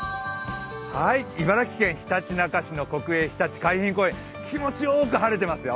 茨城県ひたちなか市の国営ひたち海浜公園気持ちよく晴れてますよ。